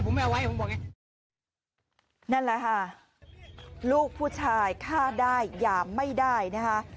ผมบอกไงนั่นแหละค่ะลูกผู้ชายฆ่าได้หยามไม่ได้นะคะ